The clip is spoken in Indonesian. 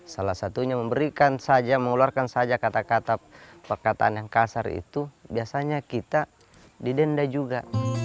salah satunya memberikan saja mengeluarkan saja kata kata perkataan yang kasar itu biasanya kita didenda juga